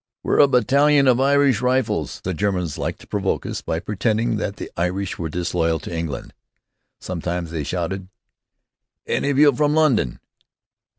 "We're a battalion of Irish rifles." The Germans liked to provoke us by pretending that the Irish were disloyal to England. Sometimes they shouted: "Any of you from London?"